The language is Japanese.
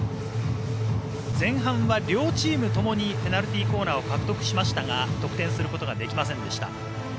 前半は両チームともにペナルティーコーナーを獲得しましたが、得点することができませんでした。